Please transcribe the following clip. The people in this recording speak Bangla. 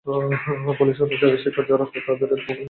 পুলিশি অত্যাচারের শিকার যারা হয়, তাদের এক বড় অংশ সংখ্যালঘু নাগরিক।